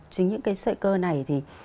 chính những cái sợi cơ này